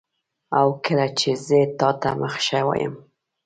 او کله چي زه تاته مخه ښه وایم